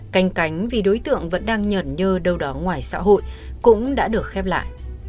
canh cánh vì đối tượng vẫn đang nhờn nhơ đâu đó ngoài xã hội cũng đã được khép lại